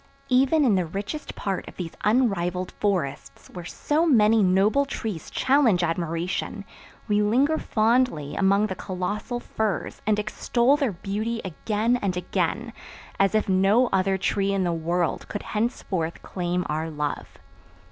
Even in the richest part of these unrivaled forests where so many noble trees challenge admiration we linger fondly among the colossal firs and extol their beauty again and again, as if no other tree in the world could henceforth claim our love.